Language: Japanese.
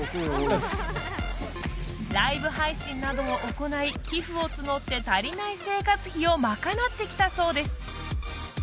ライブ配信などを行い寄付を募って足りない生活費を賄ってきたそうです